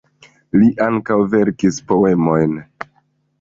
Li ankaŭ verkis poemojn.